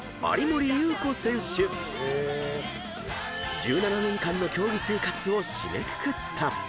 ［１７年間の競技生活を締めくくった］